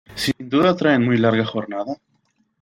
¿ sin duda traen muy larga jornada?